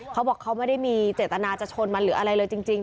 เขาบอกเขาไม่ได้มีเจตนาจะชนมันหรืออะไรเลยจริง